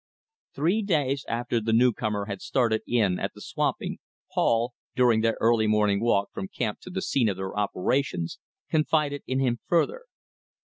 Three days after the newcomer had started in at the swamping, Paul, during their early morning walk from camp to the scene of their operations, confided in him further.